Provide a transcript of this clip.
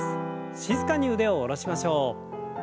静かに腕を下ろしましょう。